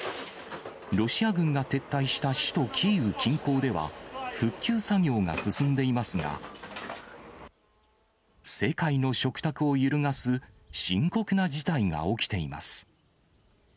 ロシア軍が撤退した首都キーウ近郊では、復旧作業が進んでいますが、世界の食卓を揺るがす深刻な事態が起きています。